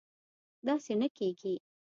داسې نه کېږي